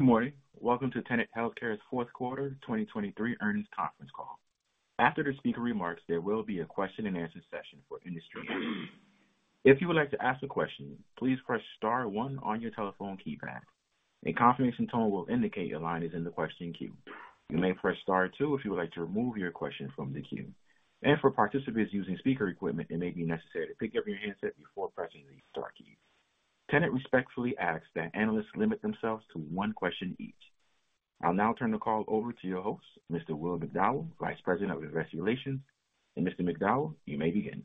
Good morning. Welcome to Tenet Healthcare's fourth quarter 2023 earnings conference call. After the speaker remarks, there will be a question-and-answer session for industry analysts. If you would like to ask a question, please press star one on your telephone keypad. A confirmation tone will indicate your line is in the question queue. You may press star two if you would like to remove your question from the queue. And for participants using speaker equipment, it may be necessary to pick up your handset before pressing the star key. Tenet respectfully asks that analysts limit themselves to one question each. I'll now turn the call over to your host, Mr. Will McDowell, Vice President of Investor Relations. Mr. McDowell, you may begin.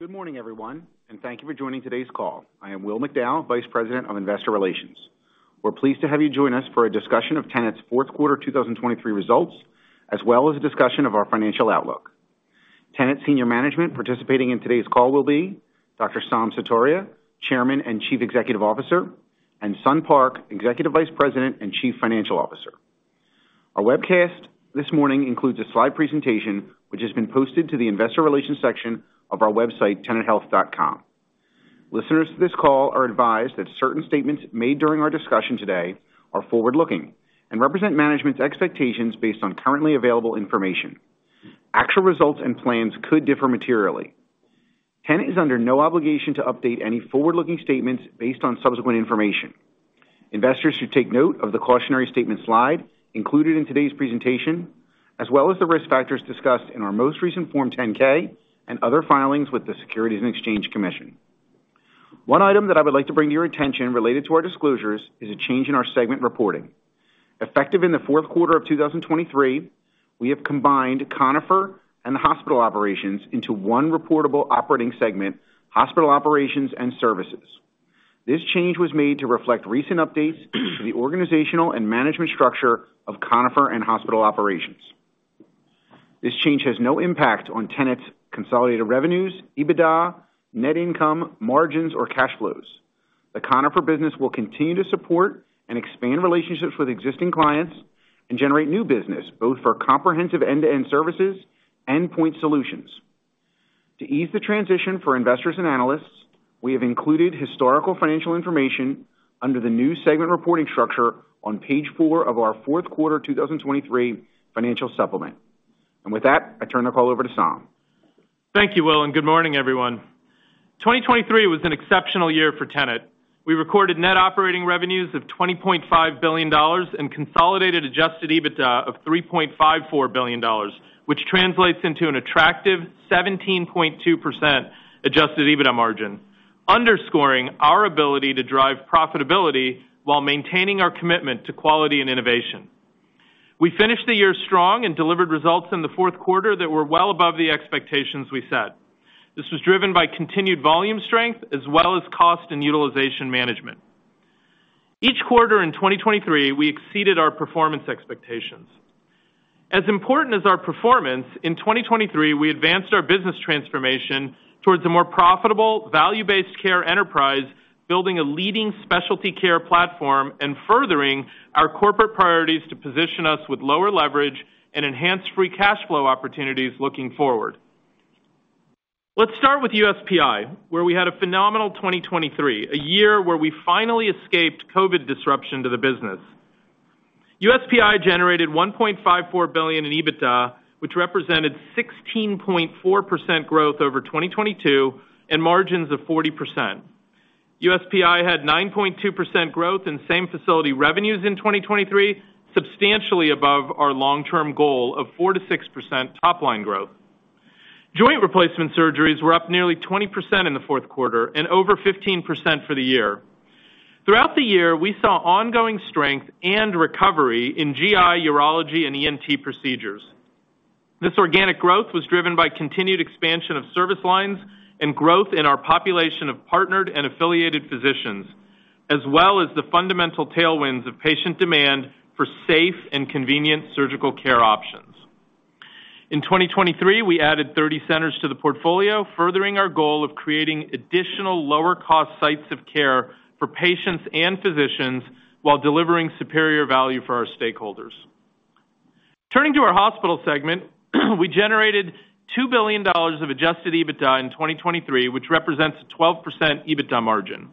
Good morning, everyone, and thank you for joining today's call. I am Will McDowell, Vice President of Investor Relations. We're pleased to have you join us for a discussion of Tenet's fourth quarter 2023 results, as well as a discussion of our financial outlook. Tenet senior management participating in today's call will be Dr. Saum Sutaria, Chairman and Chief Executive Officer, and Sun Park, Executive Vice President and Chief Financial Officer. Our webcast this morning includes a slide presentation which has been posted to the Investor Relations section of our website, tenethealth.com. Listeners to this call are advised that certain statements made during our discussion today are forward-looking and represent management's expectations based on currently available information. Actual results and plans could differ materially. Tenet is under no obligation to update any forward-looking statements based on subsequent information. Investors should take note of the cautionary statement slide included in today's presentation, as well as the risk factors discussed in our most recent Form 10-K and other filings with the Securities and Exchange Commission. One item that I would like to bring to your attention related to our disclosures is a change in our segment reporting. Effective in the fourth quarter of 2023, we have combined Conifer and the Hospital Operations into one reportable operating segment, Hospital Operations and Services. This change was made to reflect recent updates to the organizational and management structure of Conifer and Hospital Operations. This change has no impact on Tenet's consolidated revenues, EBITDA, net income, margins, or cash flows. The Conifer business will continue to support and expand relationships with existing clients and generate new business, both for comprehensive end-to-end services and point solutions. To ease the transition for investors and analysts, we have included historical financial information under the new segment reporting structure on page four of our fourth quarter 2023 financial supplement. With that, I turn the call over to Saum. Thank you, Will, and good morning, everyone. 2023 was an exceptional year for Tenet. We recorded net operating revenues of $20.5 billion and consolidated adjusted EBITDA of $3.54 billion, which translates into an attractive 17.2% adjusted EBITDA margin, underscoring our ability to drive profitability while maintaining our commitment to quality and innovation. We finished the year strong and delivered results in the fourth quarter that were well above the expectations we set. This was driven by continued volume strength as well as cost and utilization management. Each quarter in 2023, we exceeded our performance expectations. As important as our performance, in 2023, we advanced our business transformation towards a more profitable, value-based care enterprise, building a leading specialty care platform, and furthering our corporate priorities to position us with lower leverage and enhanced free cash flow opportunities looking forward. Let's start with USPI, where we had a phenomenal 2023, a year where we finally escaped COVID disruption to the business. USPI generated $1.54 billion in EBITDA, which represented 16.4% growth over 2022 and margins of 40%. USPI had 9.2% growth in same-facility revenues in 2023, substantially above our long-term goal of 4%-6% top-line growth. Joint replacement surgeries were up nearly 20% in the fourth quarter and over 15% for the year. Throughout the year, we saw ongoing strength and recovery in GI, urology, and ENT procedures. This organic growth was driven by continued expansion of service lines and growth in our population of partnered and affiliated physicians, as well as the fundamental tailwinds of patient demand for safe and convenient surgical care options. In 2023, we added 30 centers to the portfolio, furthering our goal of creating additional lower-cost sites of care for patients and physicians while delivering superior value for our stakeholders. Turning to our Hospital segment, we generated $2 billion of adjusted EBITDA in 2023, which represents a 12% EBITDA margin.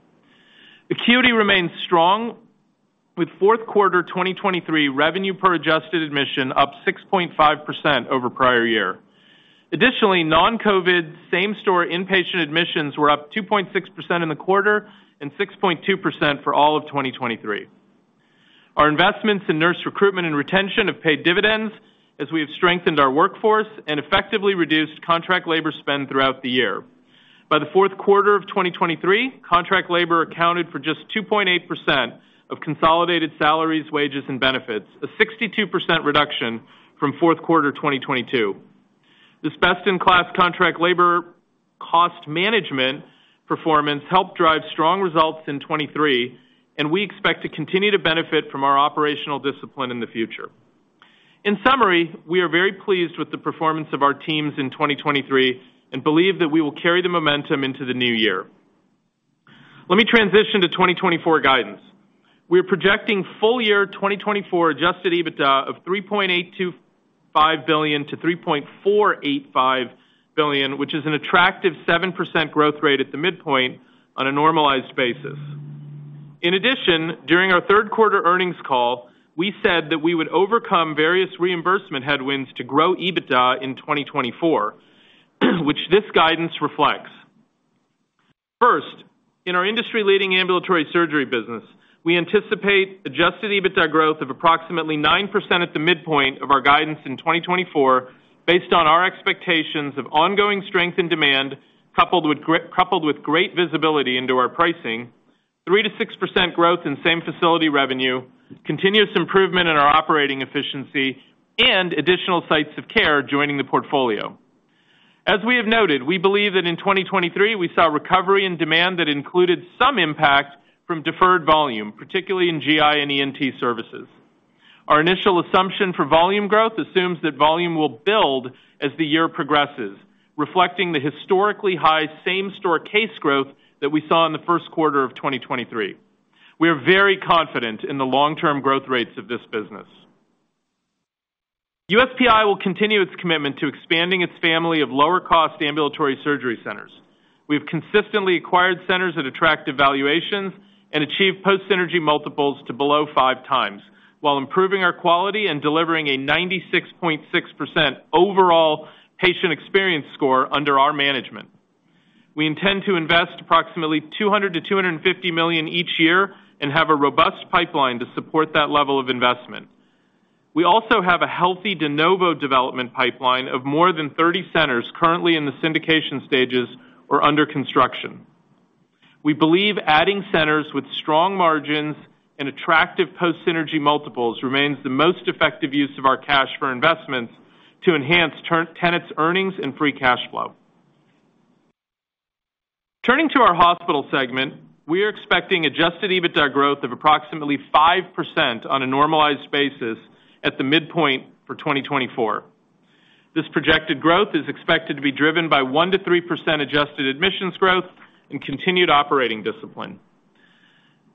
Acuity remains strong, with fourth quarter 2023 revenue per adjusted admission up 6.5% over prior year. Additionally, non-COVID same-store inpatient admissions were up 2.6% in the quarter and 6.2% for all of 2023. Our investments in nurse recruitment and retention have paid dividends as we have strengthened our workforce and effectively reduced contract labor spend throughout the year. By the fourth quarter of 2023, contract labor accounted for just 2.8% of consolidated salaries, wages, and benefits, a 62% reduction from fourth quarter 2022. This best-in-class contract labor cost management performance helped drive strong results in 2023, and we expect to continue to benefit from our operational discipline in the future. In summary, we are very pleased with the performance of our teams in 2023 and believe that we will carry the momentum into the new year. Let me transition to 2024 guidance. We are projecting full-year 2024 adjusted EBITDA of $3.825 billion-$3.485 billion, which is an attractive 7% growth rate at the midpoint on a normalized basis. In addition, during our third quarter earnings call, we said that we would overcome various reimbursement headwinds to grow EBITDA in 2024, which this guidance reflects. First, in our industry-leading Ambulatory surgery business, we anticipate adjusted EBITDA growth of approximately 9% at the midpoint of our guidance in 2024 based on our expectations of ongoing strength in demand coupled with great visibility into our pricing, 3%-6% growth in same-facility revenue, continuous improvement in our operating efficiency, and additional sites of care joining the portfolio. As we have noted, we believe that in 2023, we saw recovery in demand that included some impact from deferred volume, particularly in GI and ENT services. Our initial assumption for volume growth assumes that volume will build as the year progresses, reflecting the historically high same-store case growth that we saw in the first quarter of 2023. We are very confident in the long-term growth rates of this business. USPI will continue its commitment to expanding its family of lower-cost ambulatory surgery centers. We have consistently acquired centers at attractive valuations and achieved post-synergy multiples to below 5x while improving our quality and delivering a 96.6% overall patient experience score under our management. We intend to invest approximately $200 million-$250 million each year and have a robust pipeline to support that level of investment. We also have a healthy de novo development pipeline of more than 30 centers currently in the syndication stages or under construction. We believe adding centers with strong margins and attractive post-synergy multiples remains the most effective use of our cash for investments to enhance Tenet's earnings and free cash flow. Turning to our Hospital segment, we are expecting adjusted EBITDA growth of approximately 5% on a normalized basis at the midpoint for 2024. This projected growth is expected to be driven by 1%-3% adjusted admissions growth and continued operating discipline.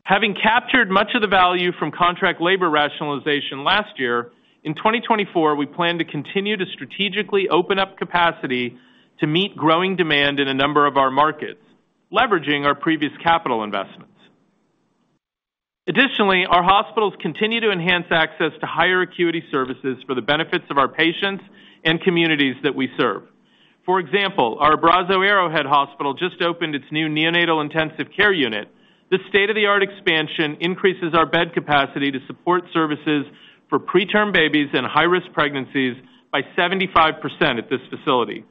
Having captured much of the value from contract labor rationalization last year, in 2024, we plan to continue to strategically open up capacity to meet growing demand in a number of our markets, leveraging our previous capital investments. Additionally, our hospitals continue to enhance access to higher acuity services for the benefits of our patients and communities that we serve. For example, our Abrazo Arrowhead Hospital just opened its new neonatal intensive care unit. This state-of-the-art expansion increases our bed capacity to support services for preterm babies and high-risk pregnancies by 75% at this facility.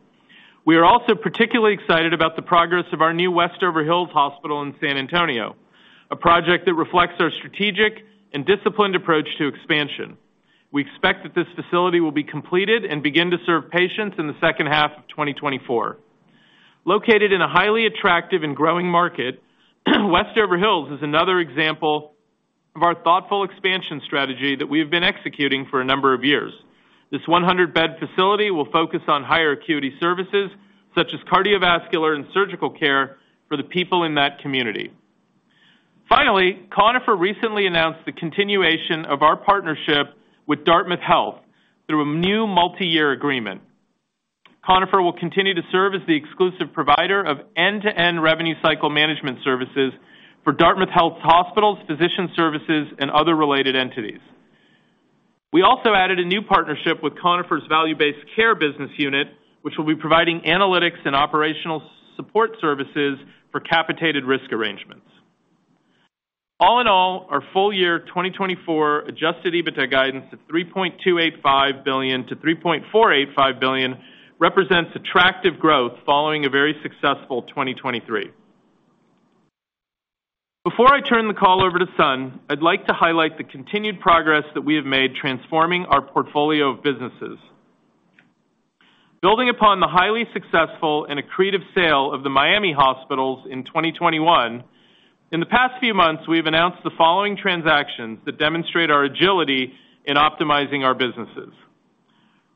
We are also particularly excited about the progress of our new Westover Hills Hospital in San Antonio, a project that reflects our strategic and disciplined approach to expansion. We expect that this facility will be completed and begin to serve patients in the second half of 2024. Located in a highly attractive and growing market, Westover Hills is another example of our thoughtful expansion strategy that we have been executing for a number of years. This 100-bed facility will focus on higher acuity services such as cardiovascular and surgical care for the people in that community. Finally, Conifer recently announced the continuation of our partnership with Dartmouth Health through a new multi-year agreement. Conifer will continue to serve as the exclusive provider of end-to-end revenue cycle management services for Dartmouth Health's hospitals, physician services, and other related entities. We also added a new partnership with Conifer's value-based care business unit, which will be providing analytics and operational support services for capitated risk arrangements. All in all, our full-year 2024 adjusted EBITDA guidance of $3.285 billion-$3.485 billion represents attractive growth following a very successful 2023. Before I turn the call over to Sun, I'd like to highlight the continued progress that we have made transforming our portfolio of businesses. Building upon the highly successful and accretive sale of the Miami hospitals in 2021, in the past few months, we have announced the following transactions that demonstrate our agility in optimizing our businesses.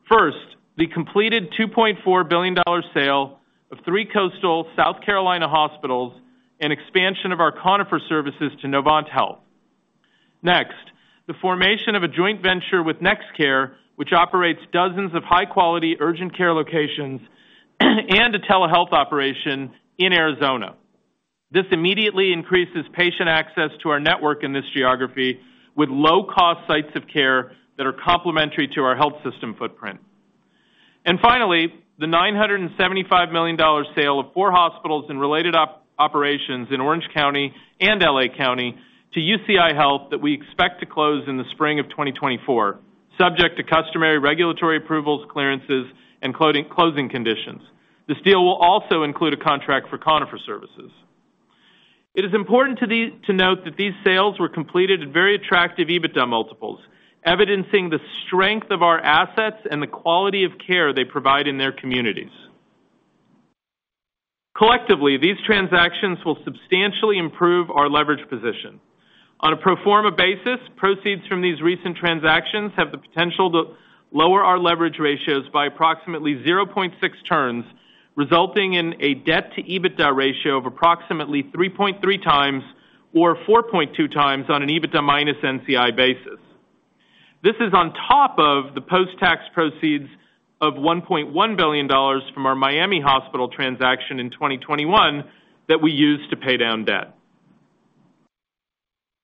First, the completed $2.4 billion sale of three coastal South Carolina hospitals and expansion of our Conifer services to Novant Health. Next, the formation of a joint venture with NextCare, which operates dozens of high-quality urgent care locations and a telehealth operation in Arizona. This immediately increases patient access to our network in this geography with low-cost sites of care that are complementary to our health system footprint. And finally, the $975 million sale of four hospitals and related operations in Orange County and L.A. County to UCI Health that we expect to close in the spring of 2024, subject to customary regulatory approvals, clearances, and closing conditions. This deal will also include a contract for Conifer services. It is important to note that these sales were completed at very attractive EBITDA multiples, evidencing the strength of our assets and the quality of care they provide in their communities. Collectively, these transactions will substantially improve our leverage position. On a pro forma basis, proceeds from these recent transactions have the potential to lower our leverage ratios by approximately 0.6 turns, resulting in a debt-to-EBITDA ratio of approximately 3.3x or 4.2x on an EBITDA minus NCI basis. This is on top of the post-tax proceeds of $1.1 billion from our Miami hospital transaction in 2021 that we used to pay down debt.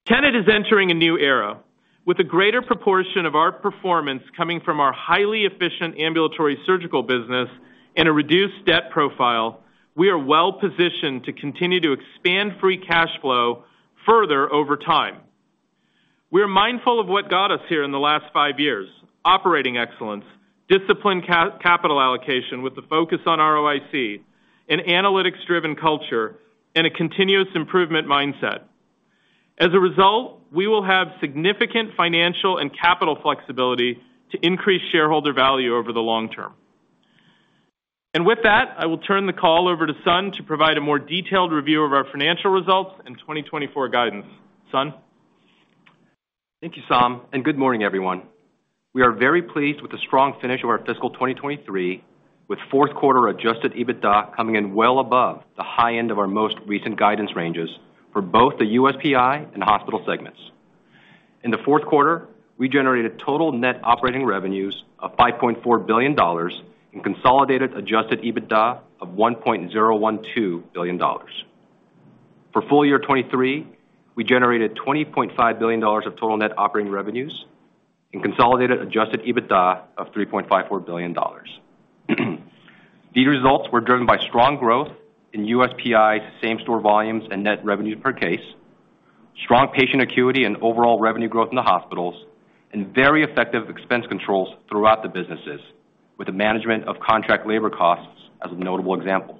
Tenet is entering a new era. With a greater proportion of our performance coming from our highly efficient Ambulatory surgical business and a reduced debt profile, we are well positioned to continue to expand free cash flow further over time. We are mindful of what got us here in the last five years: operating excellence, disciplined capital allocation with a focus on ROIC, an analytics-driven culture, and a continuous improvement mindset. As a result, we will have significant financial and capital flexibility to increase shareholder value over the long term. And with that, I will turn the call over to Sun to provide a more detailed review of our financial results and 2024 guidance. Sun? Thank you, Saum, and good morning, everyone. We are very pleased with the strong finish of our fiscal 2023, with fourth quarter adjusted EBITDA coming in well above the high end of our most recent guidance ranges for both the USPI and Hospital segments. In the fourth quarter, we generated total net operating revenues of $5.4 billion and consolidated adjusted EBITDA of $1.012 billion. For full-year 2023, we generated $20.5 billion of total net operating revenues and consolidated adjusted EBITDA of $3.54 billion. These results were driven by strong growth in USPI same-store volumes and net revenues per case, strong patient acuity and overall revenue growth in the Hospitals, and very effective expense controls throughout the businesses, with the management of contract labor costs as a notable example.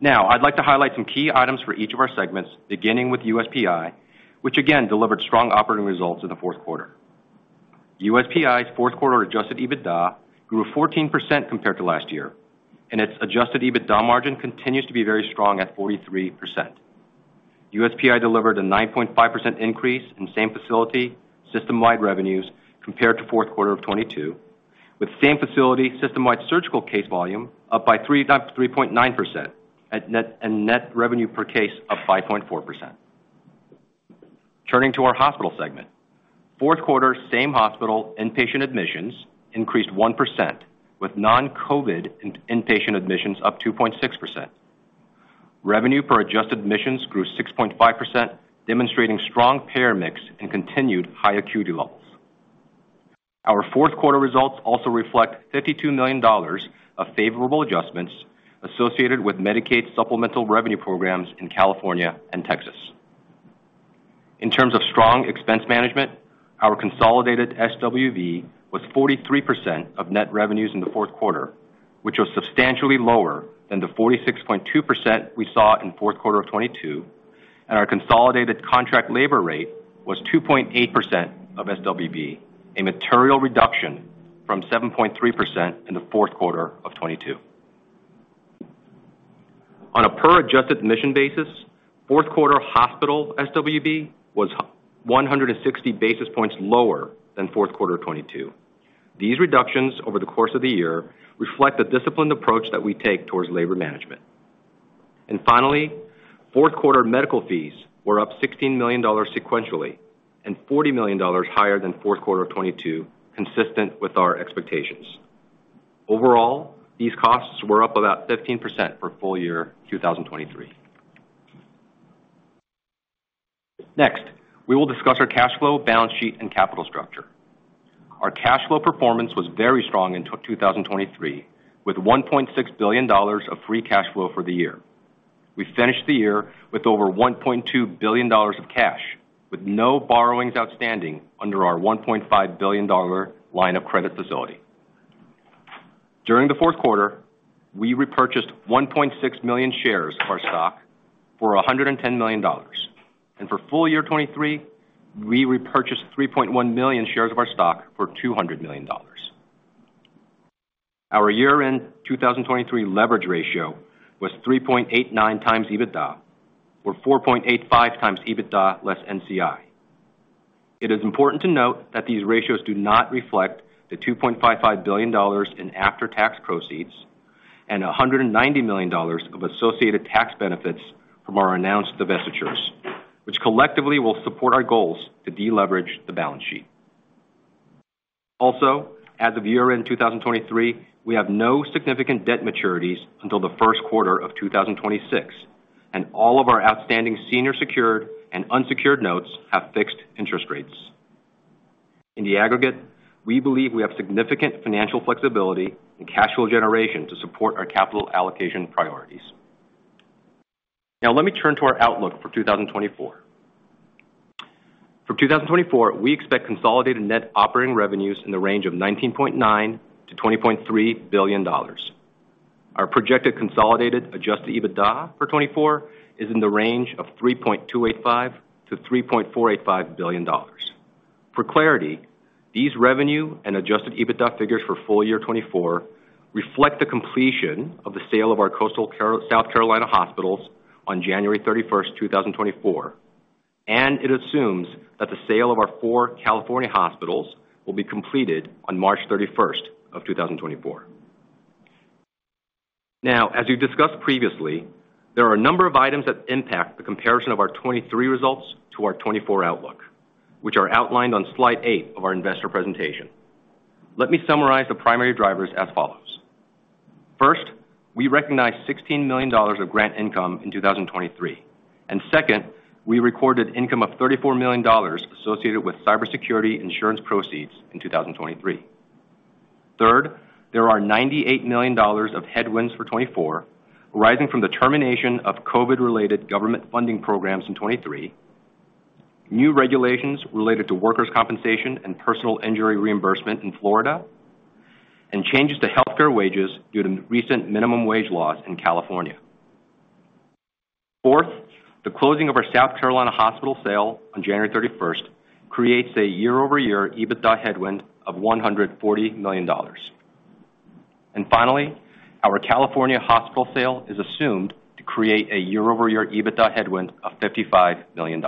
Now, I'd like to highlight some key items for each of our segments, beginning with USPI, which again delivered strong operating results in the fourth quarter. USPI's fourth quarter adjusted EBITDA grew 14% compared to last year, and its adjusted EBITDA margin continues to be very strong at 43%. USPI delivered a 9.5% increase in same-facility system-wide revenues compared to fourth quarter of 2022, with same-facility system-wide surgical case volume up by 3.9% and net revenue per case up 5.4%. Turning to our Hospital segment, fourth quarter same-hospital inpatient admissions increased 1%, with non-COVID inpatient admissions up 2.6%. Revenue per adjusted admissions grew 6.5%, demonstrating strong payer mix and continued high acuity levels. Our fourth quarter results also reflect $52 million of favorable adjustments associated with Medicaid supplemental revenue programs in California and Texas. In terms of strong expense management, our consolidated SWB was 43% of net revenues in the fourth quarter, which was substantially lower than the 46.2% we saw in fourth quarter of 2022, and our consolidated contract labor rate was 2.8% of SWB, a material reduction from 7.3% in the fourth quarter of 2022. On a per-adjusted admission basis, fourth quarter Hospital SWB was 160 basis points lower than fourth quarter of 2022. These reductions over the course of the year reflect the disciplined approach that we take towards labor management. And finally, fourth quarter medical fees were up $16 million sequentially and $40 million higher than fourth quarter of 2022, consistent with our expectations. Overall, these costs were up about 15% for full-year 2023. Next, we will discuss our cash flow, balance sheet, and capital structure. Our cash flow performance was very strong in 2023, with $1.6 billion of free cash flow for the year. We finished the year with over $1.2 billion of cash, with no borrowings outstanding under our $1.5 billion line of credit facility. During the fourth quarter, we repurchased 1.6 million shares of our stock for $110 million, and for full-year 2023, we repurchased 3.1 million shares of our stock for $200 million. Our year-end 2023 leverage ratio was 3.89x EBITDA, or 4.85x EBITDA less NCI. It is important to note that these ratios do not reflect the $2.55 billion in after-tax proceeds and $190 million of associated tax benefits from our announced divestitures, which collectively will support our goals to deleverage the balance sheet. Also, as of year-end 2023, we have no significant debt maturities until the first quarter of 2026, and all of our outstanding senior secured and unsecured notes have fixed interest rates. In the aggregate, we believe we have significant financial flexibility and cash flow generation to support our capital allocation priorities. Now, let me turn to our outlook for 2024. For 2024, we expect consolidated net operating revenues in the range of $19.9 billion-$20.3 billion. Our projected consolidated adjusted EBITDA for 2024 is in the range of $3.285 billion-$3.485 billion. For clarity, these revenue and adjusted EBITDA figures for full-year 2024 reflect the completion of the sale of our coastal South Carolina hospitals on January 31st, 2024, and it assumes that the sale of our four California hospitals will be completed on March 31st of 2024. Now, as we've discussed previously, there are a number of items that impact the comparison of our 2023 results to our 2024 outlook, which are outlined on slide eight of our investor presentation. Let me summarize the primary drivers as follows. First, we recognize $16 million of grant income in 2023. And second, we recorded income of $34 million associated with cybersecurity insurance proceeds in 2023. Third, there are $98 million of headwinds for 2024, arising from the termination of COVID-related government funding programs in 2023, new regulations related to workers' compensation and personal injury reimbursement in Florida, and changes to healthcare wages due to recent minimum wage laws in California. Fourth, the closing of our South Carolina hospital sale on January 31st creates a year-over-year EBITDA headwind of $140 million. And finally, our California hospital sale is assumed to create a year-over-year EBITDA headwind of $55 million.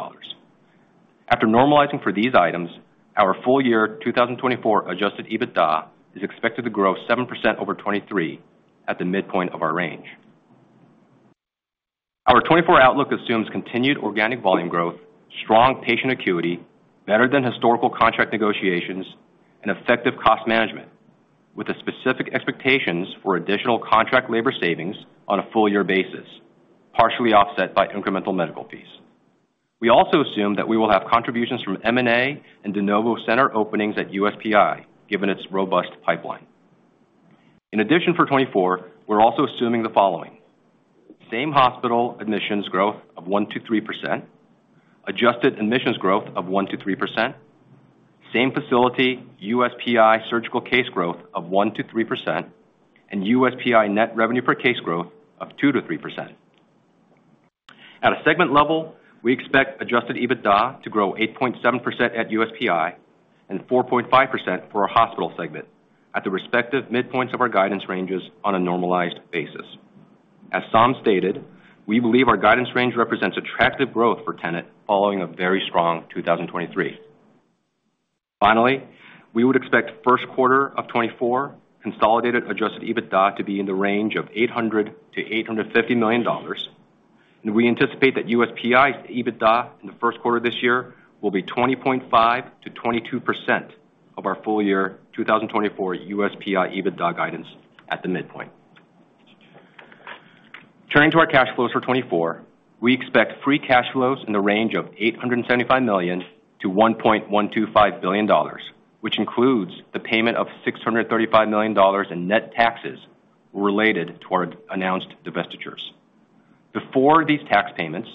After normalizing for these items, our full-year 2024 adjusted EBITDA is expected to grow 7% over 2023 at the midpoint of our range. Our 2024 outlook assumes continued organic volume growth, strong patient acuity, better than historical contract negotiations, and effective cost management, with specific expectations for additional contract labor savings on a full-year basis, partially offset by incremental medical fees. We also assume that we will have contributions from M&A and de novo center openings at USPI, given its robust pipeline. In addition, for 2024, we're also assuming the following: same-hospital admissions growth of 1%-3%, adjusted admissions growth of 1%-3%, same-facility USPI surgical case growth of 1%-3%, and USPI net revenue per case growth of 2%-3%. At a segment level, we expect adjusted EBITDA to grow 8.7% at USPI and 4.5% for our Hospital segment at the respective midpoints of our guidance ranges on a normalized basis. As Saum stated, we believe our guidance range represents attractive growth for Tenet following a very strong 2023. Finally, we would expect first quarter of 2024 consolidated adjusted EBITDA to be in the range of $800 million-$850 million, and we anticipate that USPI's EBITDA in the first quarter this year will be 20.5%-22% of our full-year 2024 USPI EBITDA guidance at the midpoint. Turning to our cash flows for 2024, we expect free cash flows in the range of $875 million-$1.125 billion, which includes the payment of $635 million in net taxes related to our announced divestitures. Before these tax payments,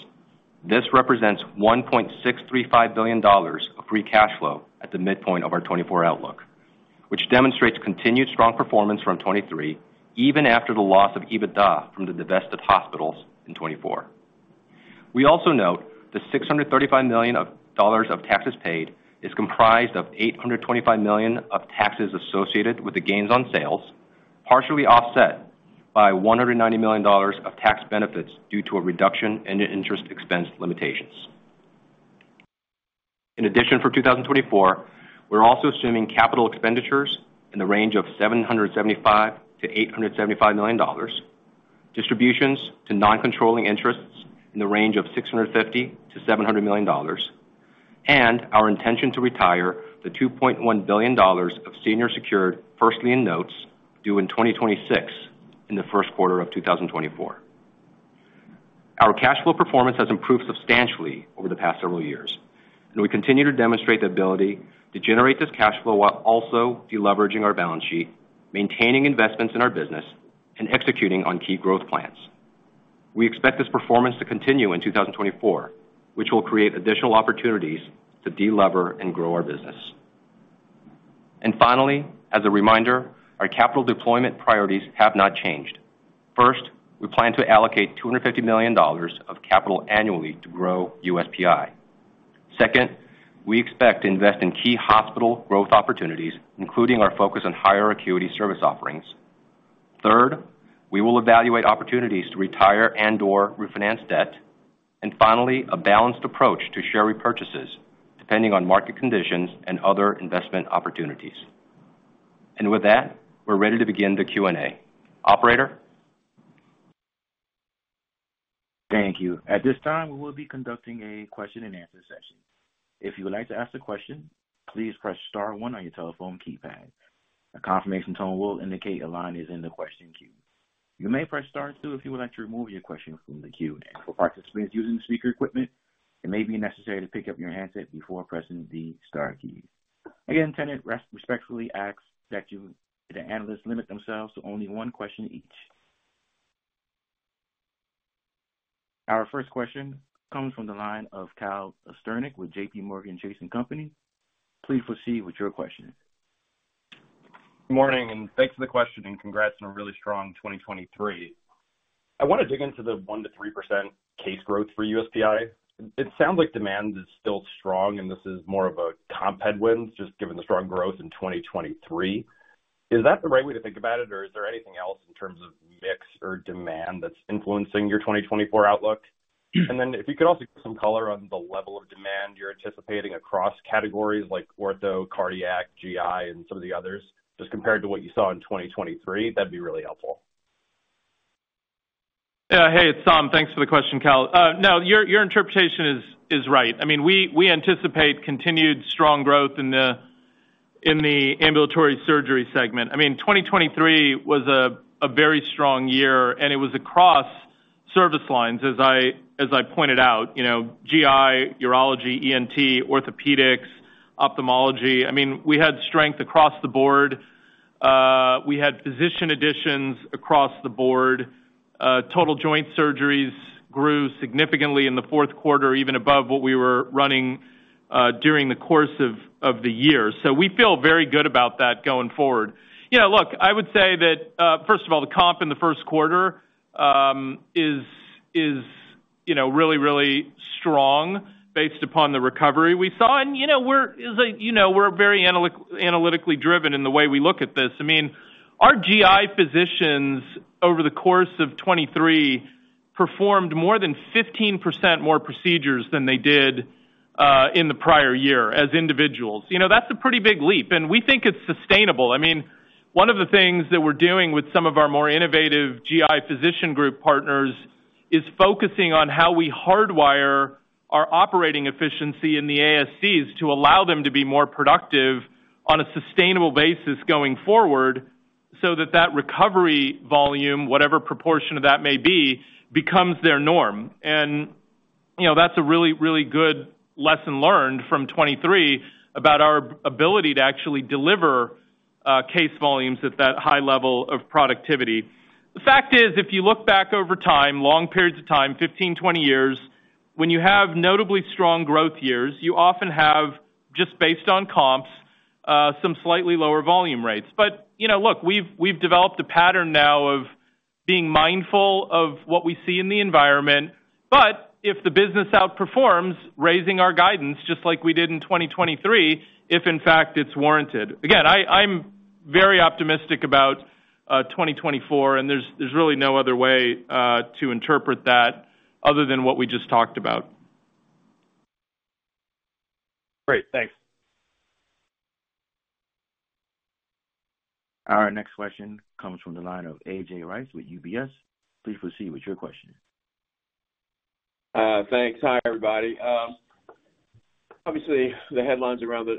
this represents $1.635 billion of free cash flow at the midpoint of our 2024 outlook, which demonstrates continued strong performance from 2023, even after the loss of EBITDA from the divested hospitals in 2024. We also note the $635 million of taxes paid is comprised of $825 million of taxes associated with the gains on sales, partially offset by $190 million of tax benefits due to a reduction in interest expense limitations. In addition, for 2024, we're also assuming capital expenditures in the range of $775 million-$875 million, distributions to non-controlling interests in the range of $650 million-$700 million, and our intention to retire the $2.1 billion of senior secured first-lien notes due in 2026 in the first quarter of 2024. Our cash flow performance has improved substantially over the past several years, and we continue to demonstrate the ability to generate this cash flow while also deleveraging our balance sheet, maintaining investments in our business, and executing on key growth plans. We expect this performance to continue in 2024, which will create additional opportunities to delever and grow our business. And finally, as a reminder, our capital deployment priorities have not changed. First, we plan to allocate $250 million of capital annually to grow USPI. Second, we expect to invest in key hospital growth opportunities, including our focus on higher acuity service offerings. Third, we will evaluate opportunities to retire and/or refinance debt. And finally, a balanced approach to share repurchases, depending on market conditions and other investment opportunities. And with that, we're ready to begin the Q&A. Operator? Thank you. At this time, we will be conducting a question-and-answer session. If you would like to ask a question, please press star one on your telephone keypad. A confirmation tone will indicate a line is in the question queue. You may press star two if you would like to remove your question from the queue. For participants using speaker equipment, it may be necessary to pick up your handset before pressing the star key. Again, Tenet respectfully asks that the analysts limit themselves to only one question each. Our first question comes from the line of Cal Sternick with JPMorgan Chase & Co. Please proceed with your question. Good morning, and thanks for the question, and congrats on a really strong 2023. I want to dig into the 1%-3% case growth for USPI. It sounds like demand is still strong, and this is more of a comp headwind, just given the strong growth in 2023. Is that the right way to think about it, or is there anything else in terms of mix or demand that's influencing your 2024 outlook? And then if you could also get some color on the level of demand you're anticipating across categories like ortho, cardiac, GI, and some of the others, just compared to what you saw in 2023, that'd be really helpful. Yeah. Hey, it's Saum. Thanks for the question, Cal. No, your interpretation is right. I mean, we anticipate continued strong growth in the Ambulatory surgery segment. I mean, 2023 was a very strong year, and it was across service lines, as I pointed out: GI, urology, ENT, orthopedics, ophthalmology. I mean, we had strength across the board. We had physician additions across the board. Total joint surgeries grew significantly in the fourth quarter, even above what we were running during the course of the year. So we feel very good about that going forward. Yeah, look, I would say that, first of all, the comp in the first quarter is really, really strong based upon the recovery we saw. We're very analytically driven in the way we look at this. I mean, our GI physicians over the course of 2023 performed more than 15% more procedures than they did in the prior year as individuals. That's a pretty big leap, and we think it's sustainable. I mean, one of the things that we're doing with some of our more innovative GI physician group partners is focusing on how we hardwire our operating efficiency in the ASCs to allow them to be more productive on a sustainable basis going forward so that that recovery volume, whatever proportion of that may be, becomes their norm. And that's a really, really good lesson learned from 2023 about our ability to actually deliver case volumes at that high level of productivity. The fact is, if you look back over time, long periods of time, 15, 20 years, when you have notably strong growth years, you often have, just based on comps, some slightly lower volume rates. But look, we've developed a pattern now of being mindful of what we see in the environment. But if the business outperforms, raising our guidance just like we did in 2023, if in fact it's warranted. Again, I'm very optimistic about 2024, and there's really no other way to interpret that other than what we just talked about. Great. Thanks. Our next question comes from the line of A.J. Rice with UBS. Please proceed with your question. Thanks. Hi, everybody. Obviously, the headlines around the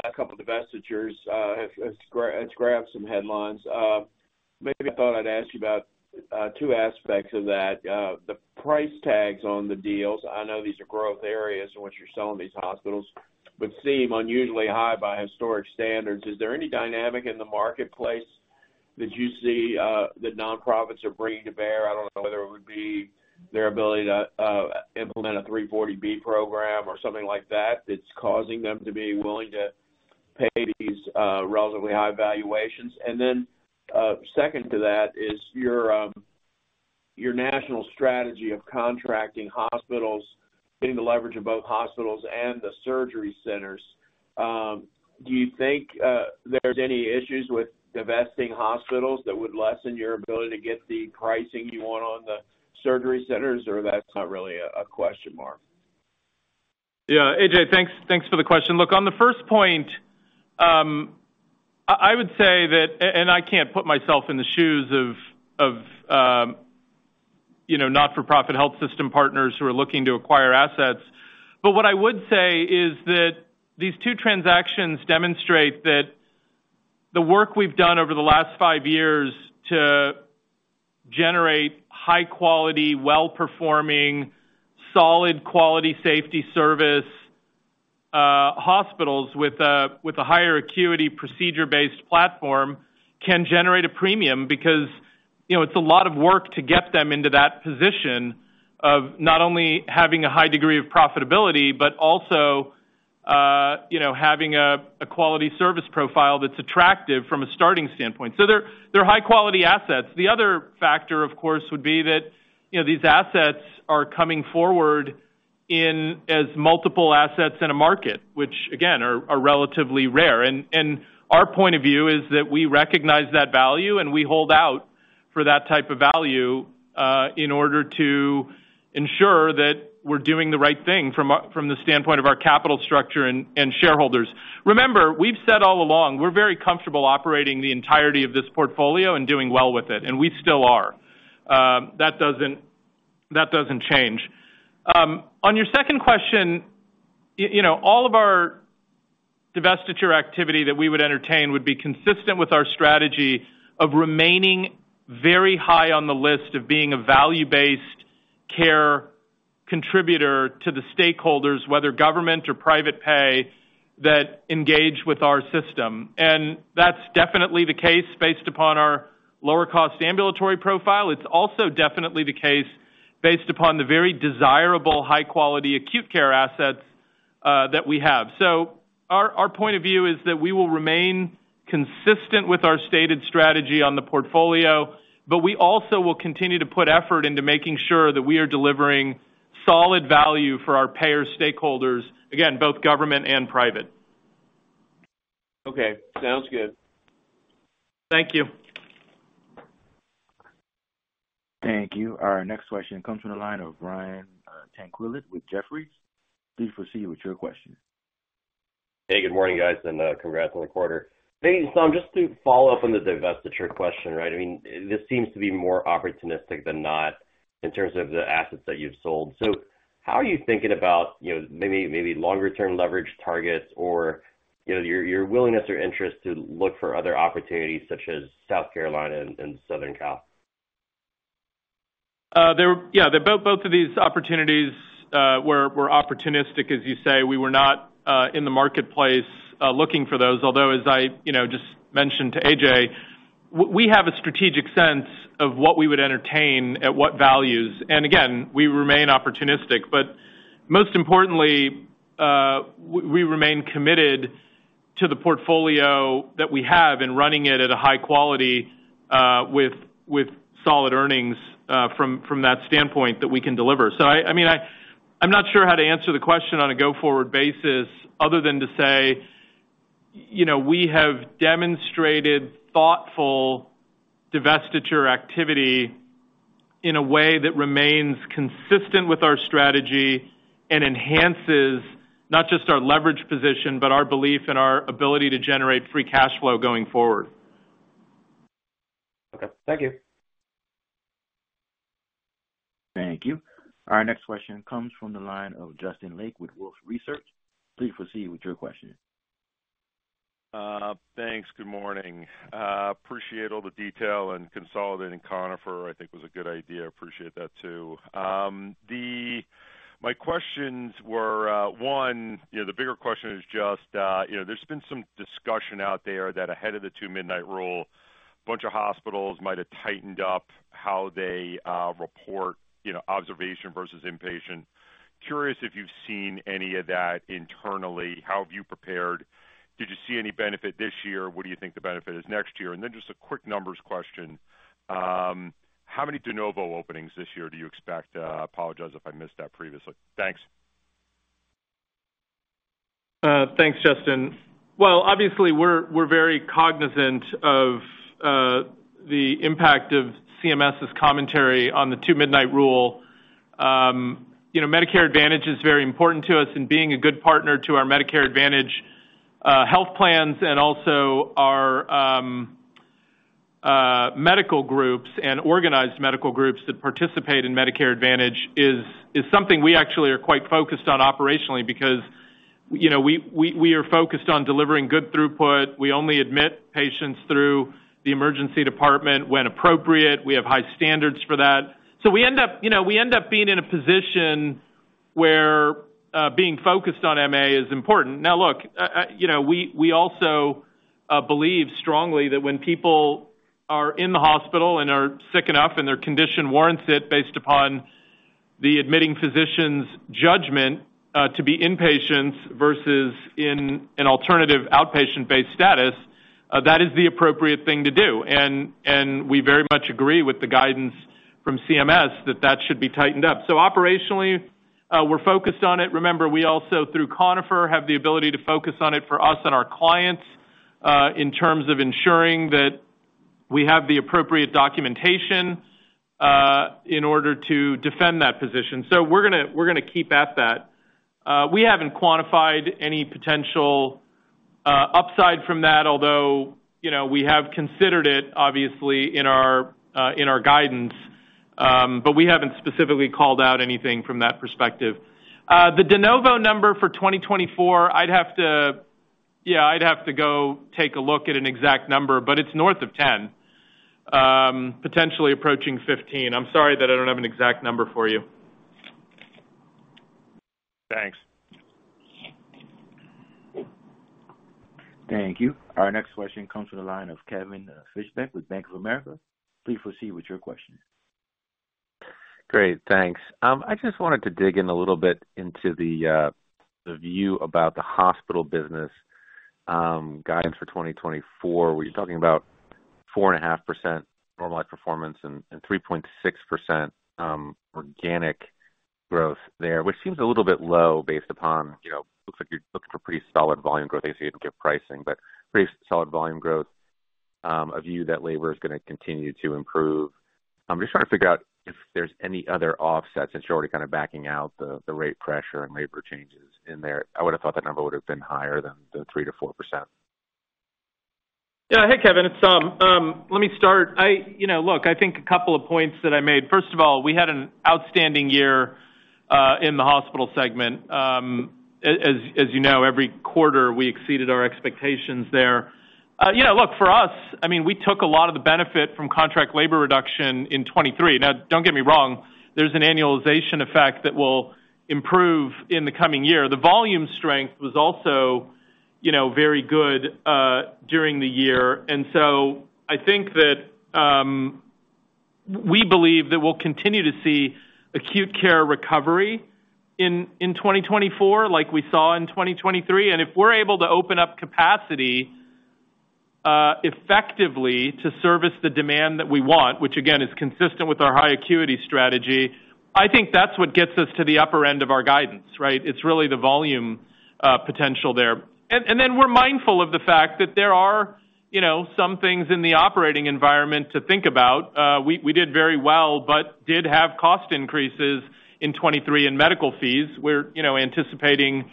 last couple of divestitures have grabbed some headlines. Maybe I thought I'd ask you about two aspects of that. The price tags on the deals, I know these are growth areas in which you're selling these hospitals, but seem unusually high by historic standards. Is there any dynamic in the marketplace that you see that nonprofits are bringing to bear? I don't know whether it would be their ability to implement a 340B program or something like that that's causing them to be willing to pay these relatively high valuations. And then second to that is your national strategy of contracting hospitals, getting the leverage of both hospitals and the surgery centers. Do you think there's any issues with divesting hospitals that would lessen your ability to get the pricing you want on the surgery centers, or that's not really a question mark? Yeah. A.J., thanks for the question. Look, on the first point, I would say that and I can't put myself in the shoes of not-for-profit health system partners who are looking to acquire assets. But what I would say is that these two transactions demonstrate that the work we've done over the last five years to generate high-quality, well-performing, solid quality safety service hospitals with a higher acuity procedure-based platform can generate a premium because it's a lot of work to get them into that position of not only having a high degree of profitability but also having a quality service profile that's attractive from a starting standpoint. So they're high-quality assets. The other factor, of course, would be that these assets are coming forward as multiple assets in a market, which, again, are relatively rare. And our point of view is that we recognize that value, and we hold out for that type of value in order to ensure that we're doing the right thing from the standpoint of our capital structure and shareholders. Remember, we've said all along, we're very comfortable operating the entirety of this portfolio and doing well with it, and we still are. That doesn't change. On your second question, all of our divestiture activity that we would entertain would be consistent with our strategy of remaining very high on the list of being a value-based care contributor to the stakeholders, whether government or private pay, that engage with our system. And that's definitely the case based upon our lower-cost ambulatory profile. It's also definitely the case based upon the very desirable high-quality acute care assets that we have. Our point of view is that we will remain consistent with our stated strategy on the portfolio, but we also will continue to put effort into making sure that we are delivering solid value for our payer stakeholders, again, both government and private. Okay. Sounds good. Thank you. Thank you. Our next question comes from the line of Brian Tanquilut with Jefferies. Please proceed with your question. Hey, good morning, guys, and congrats on the quarter. Maybe, Saum, just to follow up on the divestiture question, right? I mean, this seems to be more opportunistic than not in terms of the assets that you've sold. So how are you thinking about maybe longer-term leverage targets or your willingness or interest to look for other opportunities such as South Carolina and Southern Cal? Yeah, both of these opportunities were opportunistic, as you say. We were not in the marketplace looking for those, although, as I just mentioned to A.J., we have a strategic sense of what we would entertain at what values. And again, we remain opportunistic. But most importantly, we remain committed to the portfolio that we have and running it at a high quality with solid earnings from that standpoint that we can deliver. So I mean, I'm not sure how to answer the question on a go-forward basis other than to say we have demonstrated thoughtful divestiture activity in a way that remains consistent with our strategy and enhances not just our leverage position but our belief in our ability to generate free cash flow going forward. Okay. Thank you. Thank you. Our next question comes from the line of Justin Lake with Wolfe Research. Please proceed with your question. Thanks. Good morning. Appreciate all the detail and consolidating. Conifer, I think, was a good idea. Appreciate that too. My questions were, one, the bigger question is just there's been some discussion out there that ahead of the Two-Midnight Rule, a bunch of hospitals might have tightened up how they report observation versus inpatient. Curious if you've seen any of that internally. How have you prepared? Did you see any benefit this year? What do you think the benefit is next year? And then just a quick numbers question. How many de novo openings this year do you expect? I apologize if I missed that previously. Thanks. Thanks, Justin. Well, obviously, we're very cognizant of the impact of CMS's commentary on the Two-Midnight Rule. Medicare Advantage is very important to us, and being a good partner to our Medicare Advantage health plans and also our medical groups and organized medical groups that participate in Medicare Advantage is something we actually are quite focused on operationally because we are focused on delivering good throughput. We only admit patients through the emergency department when appropriate. We have high standards for that. So we end up being in a position where being focused on MA is important. Now, look, we also believe strongly that when people are in the hospital and are sick enough and their condition warrants it based upon the admitting physician's judgment to be inpatients versus in an alternative outpatient-based status, that is the appropriate thing to do. We very much agree with the guidance from CMS that that should be tightened up. So operationally, we're focused on it. Remember, we also, through Conifer, have the ability to focus on it for us and our clients in terms of ensuring that we have the appropriate documentation in order to defend that position. So we're going to keep at that. We haven't quantified any potential upside from that, although we have considered it, obviously, in our guidance. But we haven't specifically called out anything from that perspective. The de novo number for 2024, I'd have to, I'd have to go take a look at an exact number, but it's north of 10, potentially approaching 15. I'm sorry that I don't have an exact number for you. Thanks. Thank you. Our next question comes from the line of Kevin Fischbeck with Bank of America. Please proceed with your question. Great. Thanks. I just wanted to dig in a little bit into the view about the Hospital business guidance for 2024. We were talking about 4.5% normalized performance and 3.6% organic growth there, which seems a little bit low based upon it looks like you're looking for pretty solid volume growth. I guess you didn't give pricing, but pretty solid volume growth, a view that labor is going to continue to improve. I'm just trying to figure out if there's any other offsets, since you're already kind of backing out the rate pressure and labor changes in there. I would have thought that number would have been higher than the 3%-4%. Yeah. Hey, Kevin. It's Saum. Let me start. Look, I think a couple of points that I made. First of all, we had an outstanding year in the Hospital segment. As you know, every quarter, we exceeded our expectations there. Look, for us, I mean, we took a lot of the benefit from contract labor reduction in 2023. Now, don't get me wrong. There's an annualization effect that will improve in the coming year. The volume strength was also very good during the year. And so I think that we believe that we'll continue to see acute care recovery in 2024 like we saw in 2023. And if we're able to open up capacity effectively to service the demand that we want, which, again, is consistent with our high acuity strategy, I think that's what gets us to the upper end of our guidance, right? It's really the volume potential there. And then we're mindful of the fact that there are some things in the operating environment to think about. We did very well but did have cost increases in 2023 in medical fees. We're anticipating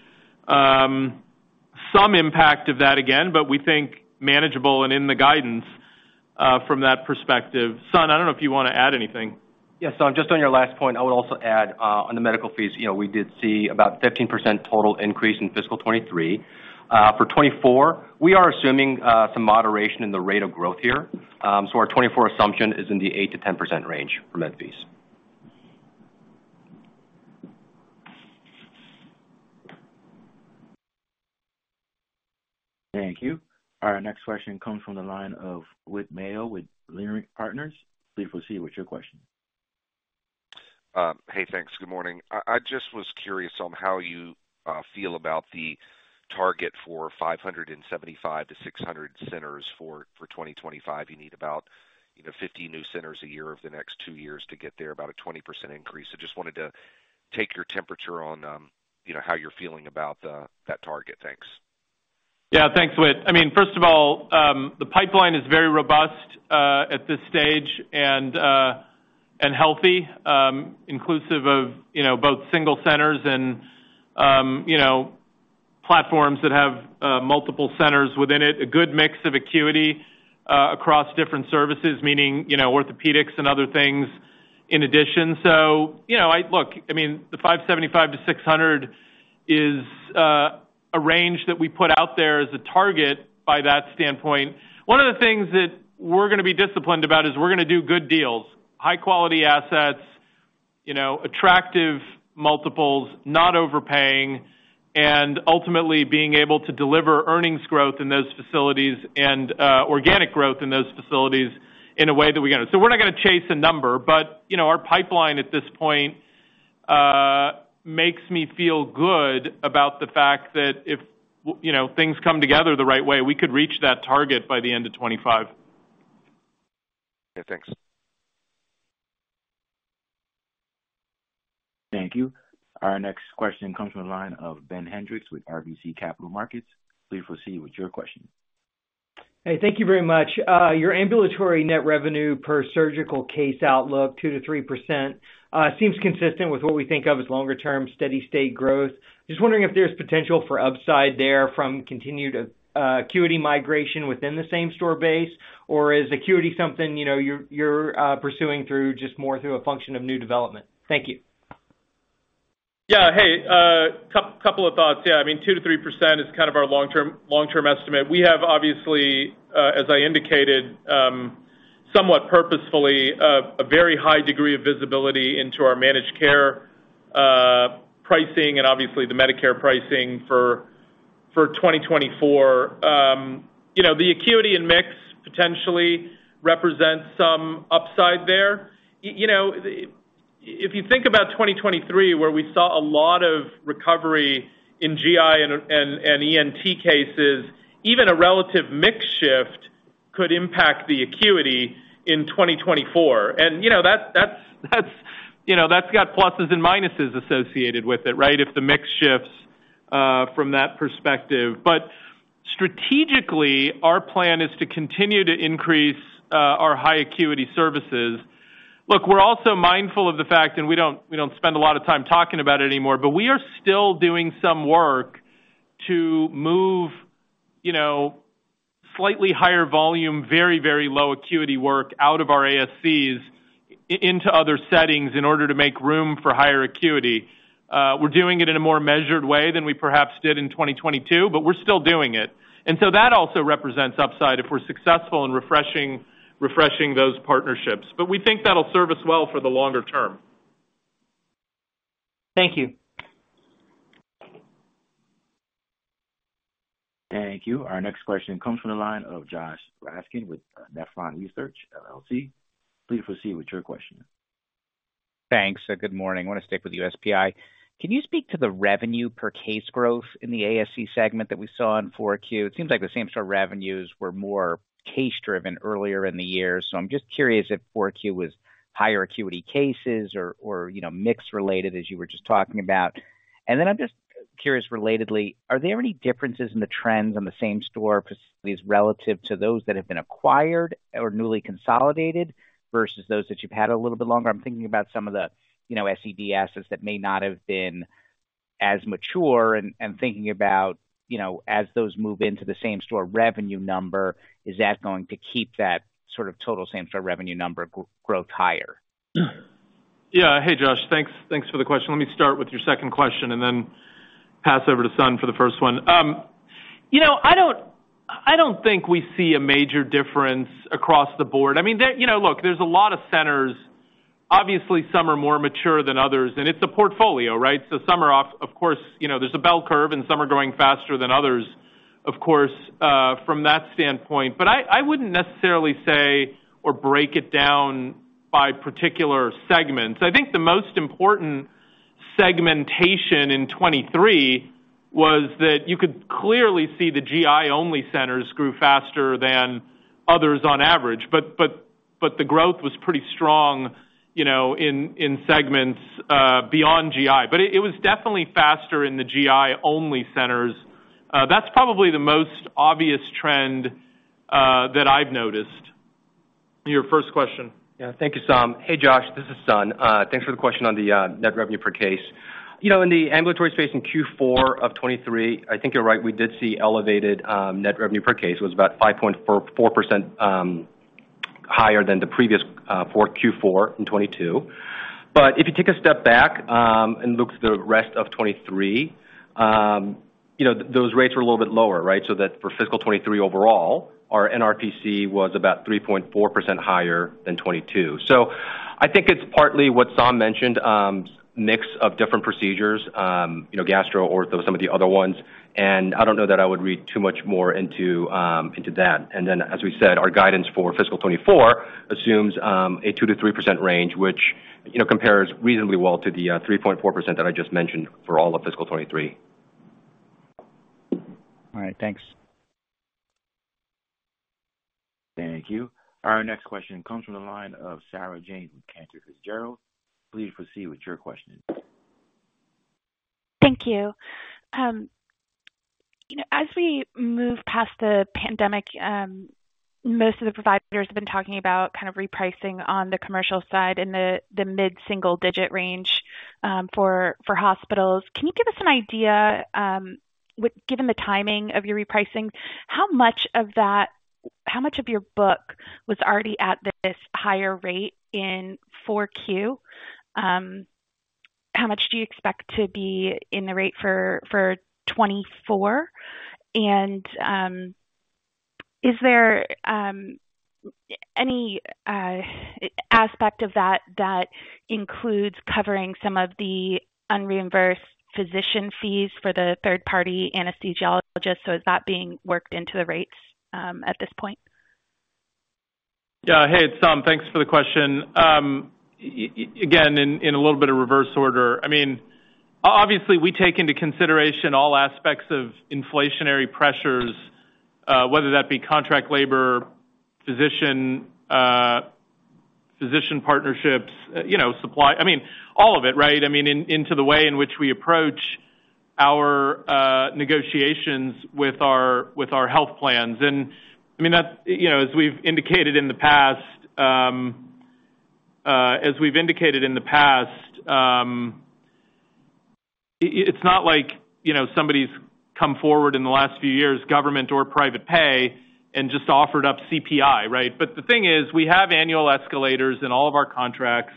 some impact of that again, but we think manageable and in the guidance from that perspective. Sun, I don't know if you want to add anything. Yes. So just on your last point, I would also add on the medical fees, we did see about a 15% total increase in fiscal 2023. For 2024, we are assuming some moderation in the rate of growth here. So our 2024 assumption is in the 8%-10% range for med fees. Thank you. Our next question comes from the line of Whit Mayo with Leerink Partners. Please proceed with your question. Hey, thanks. Good morning. I just was curious on how you feel about the target for 575-600 centers for 2025. You need about 50 new centers a year over the next two years to get there, about a 20% increase. So just wanted to take your temperature on how you're feeling about that target. Thanks. Yeah. Thanks, Whit. I mean, first of all, the pipeline is very robust at this stage and healthy, inclusive of both single centers and platforms that have multiple centers within it, a good mix of acuity across different services, meaning orthopedics and other things in addition. So look, I mean, the 575-600 is a range that we put out there as a target by that standpoint. One of the things that we're going to be disciplined about is we're going to do good deals, high-quality assets, attractive multiples, not overpaying, and ultimately being able to deliver earnings growth in those facilities and organic growth in those facilities in a way that we're going to, so we're not going to chase a number, but our pipeline at this point makes me feel good about the fact that if things come together the right way, we could reach that target by the end of 2025. Yeah. Thanks. Thank you. Our next question comes from the line of Ben Hendrix with RBC Capital Markets. Please proceed with your question. Hey, thank you very much. Your Ambulatory net revenue per surgical case outlook, 2%-3%, seems consistent with what we think of as longer-term steady-state growth. Just wondering if there's potential for upside there from continued acuity migration within the same store base, or is acuity something you're pursuing just more through a function of new development? Thank you. Yeah. Hey, couple of thoughts. Yeah. I mean, 2%-3% is kind of our long-term estimate. We have, obviously, as I indicated somewhat purposefully, a very high degree of visibility into our managed care pricing and obviously the Medicare pricing for 2024. The acuity and mix potentially represent some upside there. If you think about 2023, where we saw a lot of recovery in GI and ENT cases, even a relative mix shift could impact the acuity in 2024. And that's got pluses and minuses associated with it, right, if the mix shifts from that perspective. But strategically, our plan is to continue to increase our high-acuity services. Look, we're also mindful of the fact and we don't spend a lot of time talking about it anymore, but we are still doing some work to move slightly higher volume, very, very low-acuity work out of our ASCs into other settings in order to make room for higher acuity. We're doing it in a more measured way than we perhaps did in 2022, but we're still doing it. And so that also represents upside if we're successful in refreshing those partnerships. But we think that'll serve us well for the longer term. Thank you. Thank you. Our next question comes from the line of Josh Raskin with Nephron Research, LLC. Please proceed with your question. Thanks. Good morning. I want to stick with USPI. Can you speak to the revenue per case growth in the ASC segment that we saw in 4Q? It seems like the same store revenues were more case-driven earlier in the year. So I'm just curious if 4Q was higher-acuity cases or mix-related, as you were just talking about. And then I'm just curious relatedly, are there any differences in the trends on the same store facilities relative to those that have been acquired or newly consolidated versus those that you've had a little bit longer? I'm thinking about some of the SCD assets that may not have been as mature. And thinking about as those move into the same store revenue number, is that going to keep that sort of total same-store revenue number growth higher? Yeah. Hey, Josh. Thanks for the question. Let me start with your second question and then pass over to Sun for the first one. I don't think we see a major difference across the board. I mean, look, there's a lot of centers. Obviously, some are more mature than others. And it's a portfolio, right? So some are, of course, there's a bell curve, and some are growing faster than others, of course, from that standpoint. But I wouldn't necessarily say or break it down by particular segments. I think the most important segmentation in 2023 was that you could clearly see the GI-only centers grew faster than others on average. But the growth was pretty strong in segments beyond GI. But it was definitely faster in the GI-only centers. That's probably the most obvious trend that I've noticed. Your first question. Yeah. Thank you, Saum. Hey, Josh. This is Sun. Thanks for the question on the net revenue per case. In the Ambulatory space in Q4 of 2023, I think you're right. We did see elevated net revenue per case. It was about 5.4% higher than the previous Q4 in 2022. But if you take a step back and look at the rest of 2023, those rates were a little bit lower, right? So that for fiscal 2023 overall, our NRPC was about 3.4% higher than 2022. So I think it's partly what Saum mentioned, mix of different procedures, gastro-ortho, some of the other ones. And I don't know that I would read too much more into that. And then, as we said, our guidance for fiscal 2024 assumes a 2%-3% range, which compares reasonably well to the 3.4% that I just mentioned for all of fiscal 2023. All right. Thanks. Thank you. Our next question comes from the line of Sarah James with Cantor Fitzgerald. Please proceed with your question. Thank you. As we move past the pandemic, most of the providers have been talking about kind of repricing on the commercial side in the mid-single-digit range for Hospitals. Can you give us an idea, given the timing of your repricing, how much of your book was already at this higher rate in 4Q? How much do you expect to be in the rate for 2024? And is there any aspect of that that includes covering some of the unreimbursed physician fees for the third-party anesthesiologists? So is that being worked into the rates at this point? Yeah. Hey, it's Saum. Thanks for the question. Again, in a little bit of reverse order, I mean, obviously, we take into consideration all aspects of inflationary pressures, whether that be contract labor, physician partnerships, supply I mean, all of it, right? I mean, into the way in which we approach our negotiations with our health plans. And I mean, as we've indicated in the past as we've indicated in the past, it's not like somebody's come forward in the last few years, government or private pay, and just offered up CPI, right? But the thing is, we have annual escalators in all of our contracts.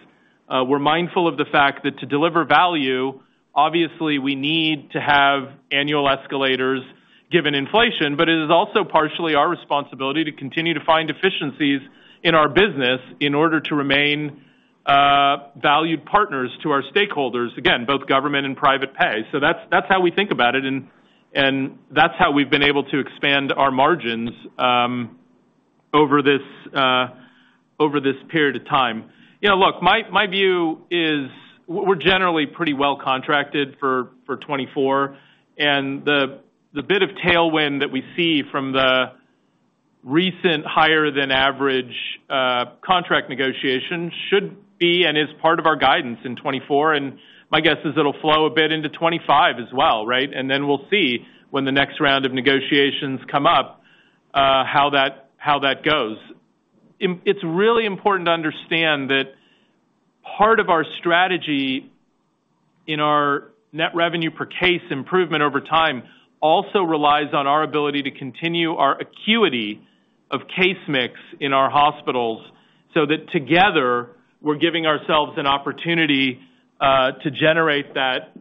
We're mindful of the fact that to deliver value, obviously, we need to have annual escalators given inflation. But it is also partially our responsibility to continue to find efficiencies in our business in order to remain valued partners to our stakeholders, again, both government and private pay. So that's how we think about it. And that's how we've been able to expand our margins over this period of time. Look, my view is we're generally pretty well contracted for 2024. And the bit of tailwind that we see from the recent higher-than-average contract negotiations should be and is part of our guidance in 2024. And my guess is it'll flow a bit into 2025 as well, right? And then we'll see when the next round of negotiations come up how that goes. It's really important to understand that part of our strategy in our net revenue per case improvement over time also relies on our ability to continue our acuity of case mix in our hospitals so that together, we're giving ourselves an opportunity to generate that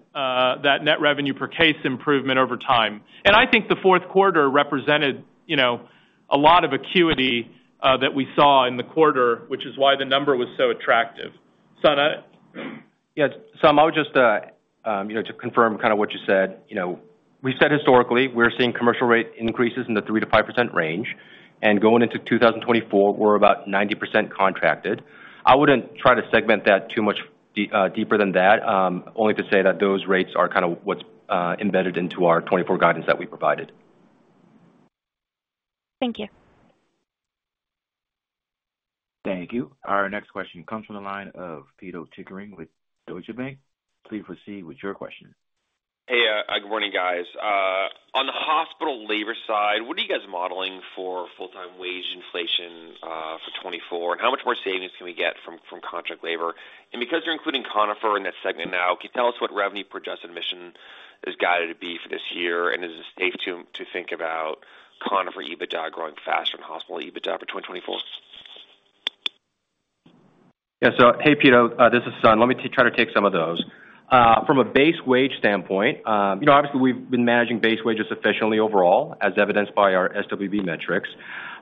net revenue per case improvement over time. I think the fourth quarter represented a lot of acuity that we saw in the quarter, which is why the number was so attractive. Yeah. Saum, I would just confirm kind of what you said. We've said historically, we're seeing commercial rate increases in the 3%-5% range. And going into 2024, we're about 90% contracted. I wouldn't try to segment that too much deeper than that, only to say that those rates are kind of what's embedded into our 2024 guidance that we provided. Thank you. Thank you. Our next question comes from the line of Pito Chickering with Deutsche Bank. Please proceed with your question. Hey, good morning, guys. On the Hospital labor side, what are you guys modeling for full-time wage inflation for 2024? How much more savings can we get from contract labor? Because you're including Conifer in that segment now, can you tell us what revenue per adjusted admission is guided to be for this year? Is it safe to think about Conifer EBITDA growing faster than Hospital EBITDA for 2024? Yeah. So hey, Pito. This is Sun. Let me try to take some of those. From a base wage standpoint, obviously, we've been managing base wages efficiently overall, as evidenced by our SWB metrics.